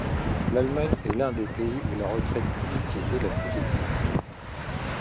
L'Allemagne était l'un des pays où la retraite publique était la plus élevée.